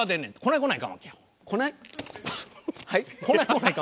はい。